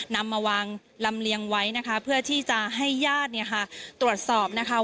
นำมาวางลำเลียงไว้นะคะเพื่อที่จะให้ญาติเนี่ยค่ะตรวจสอบนะคะ